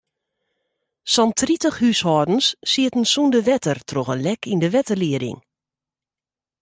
Sa'n tritich húshâldens sieten sonder wetter troch in lek yn de wetterlieding.